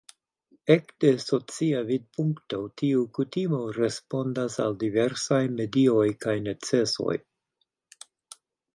Ekde socia vidpunkto tiu kutimo respondas al diversaj medioj kaj necesoj.